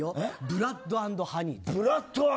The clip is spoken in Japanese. ブラッド＆ハニー。